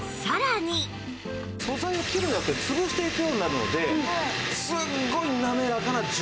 素材を切るんじゃなくて潰していくようになるのですっごい滑らかなジュースになるんですね。